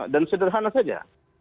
dan sederhana saja